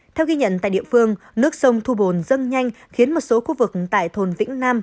theo ghi nhận tại địa phương nước sông thu bồn dâng nhanh khiến một số khu vực tại thôn vĩnh nam